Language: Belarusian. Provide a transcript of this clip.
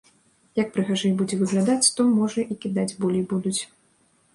Як прыгажэй будзе выглядаць, то, можа, і кідаць болей будуць.